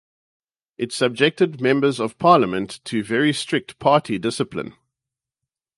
It subjected Members of Parliament to very strict party discipline.